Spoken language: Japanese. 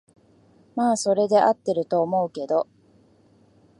まあそれで合ってると思うけど